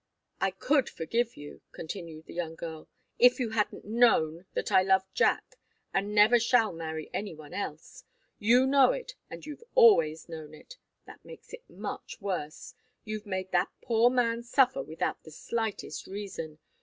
"I could forgive you," continued the young girl, "if you hadn't known that I love Jack and never shall marry any one else. You know it and you've always known it. That makes it much worse. You've made that poor man suffer without the slightest reason.